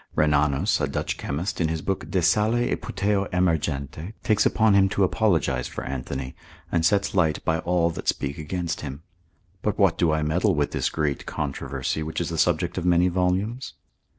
Rhenanus, a Dutch chemist, in his book de Sale e puteo emergente, takes upon him to apologise for Anthony, and sets light by all that speak against him. But what do I meddle with this great controversy, which is the subject of many volumes?